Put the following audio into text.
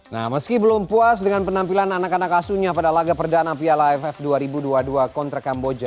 nah meski belum puas dengan penampilan anak anak asuhnya pada laga perdana piala aff dua ribu dua puluh dua kontra kamboja